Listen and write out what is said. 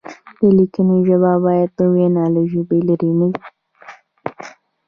د لیکنې ژبه باید د وینا له ژبې لرې نه وي.